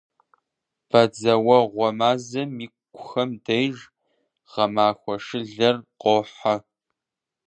Бадзэуэгъуэ мазэм икухэм деж гъэмахуэ шылэр къохьэ.